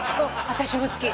私も好き。